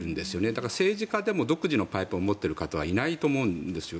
だから、政治家でも独自のパイプを持っている方はいないと思うんです。